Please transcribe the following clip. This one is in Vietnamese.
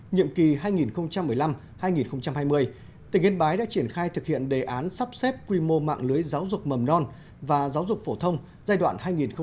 nhiệm kỳ hai nghìn một mươi năm hai nghìn hai mươi tỉnh yên bái đã triển khai thực hiện đề án sắp xếp quy mô mạng lưới giáo dục mầm non và giáo dục phổ thông giai đoạn hai nghìn một mươi chín hai nghìn hai mươi năm